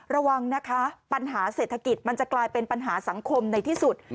ระวังนะคะปัญหาเศรษฐกิจมันจะกลายเป็นปัญหาสังคมในที่สุด